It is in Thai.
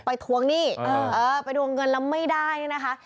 ทวงหนี้ไปทวงเงินแล้วไม่ได้เนี่ยนะคะ